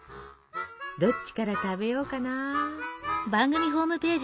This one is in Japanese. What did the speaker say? どっちから食べようかな。